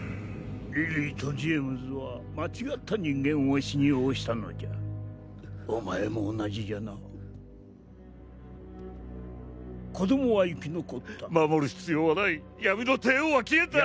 リリーとジェームズは間違った人間を信用したのじゃお前も同じじゃな子どもは生き残った守る必要はない闇の帝王は消えた！